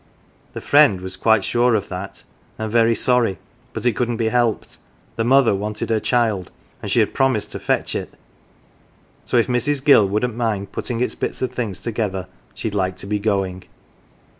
The friend was quite sure of that, and very sorry, but it couldn't be helped. The mother wanted her child, and she had promised to fetch it ; so if Mrs. Gill wouldn't mind putting its bits of things together she'd like to be going.